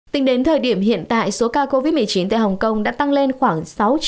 tính đến thời điểm hiện tại số ca covid một mươi chín tại hồng kông đã tăng lên khoảng sáu trăm linh ca